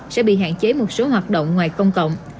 sẽ bị hạn chế một số hoạt động ngoài công cộng